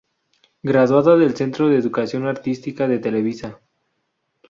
Graduada del Centro de Educación Artística de Televisa.